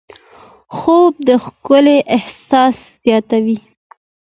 خوب د ښکلا احساس زیاتوي